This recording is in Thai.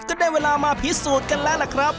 ก็ได้เวลามาพิสูจน์กันแล้วล่ะครับ